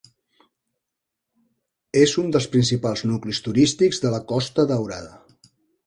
És un dels principals nuclis turístics de la Costa Daurada.